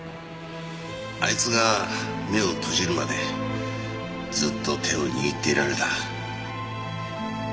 あいつが目を閉じるまでずっと手を握っていられた。